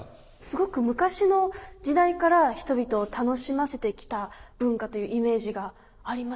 すごく昔の時代から人々を楽しませてきた文化というイメージがありますね。